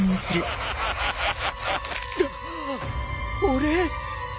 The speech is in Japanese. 俺。